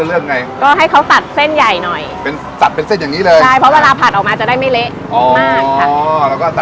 เราก็มาเตรียมตรงนี้ต้องใส่น้ำมันไปเลยหรือเปล่า